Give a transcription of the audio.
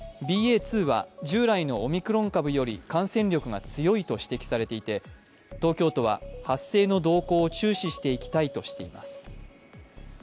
ＢＡ．２は従来のオミクロン株より感染力が強いと指摘されていて東京都は発生の動向を注視していきたいとしています。